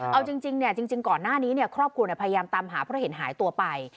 เอาจริงจริงก่อนหน้านี้ครอบครัวพยายามตามหาเพราะเห็นหายตัวไป